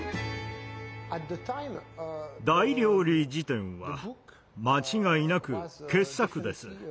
「大料理事典」は間違いなく傑作です。